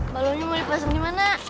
ballonnya mau dipasang dimana